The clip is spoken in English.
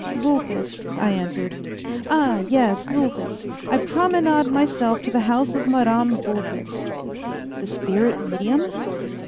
"Vulpes," I answered. "Ah! yes Vulpes. I promenade myself to the house of Madame Vulpes." "The spirit medium?"